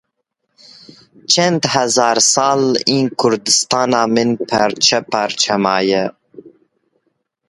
Çend hezar sal in Kurdistana min parçe parçe maye.